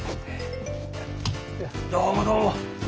どうもどうも。